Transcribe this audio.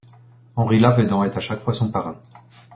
Henri Lavedan est à chaque fois son parrain.